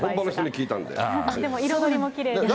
でも彩りもきれいで。